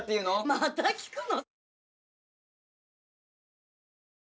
また聞くの？